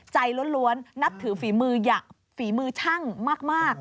ใจล้วนนับถือฝีมือช่างมาก